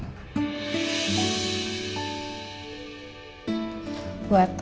ngasih ini buat kamu